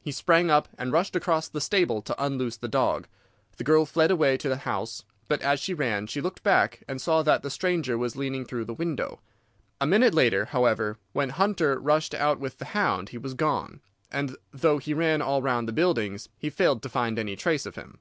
He sprang up and rushed across the stable to unloose the dog. The girl fled away to the house, but as she ran she looked back and saw that the stranger was leaning through the window. A minute later, however, when Hunter rushed out with the hound he was gone, and though he ran all round the buildings he failed to find any trace of him."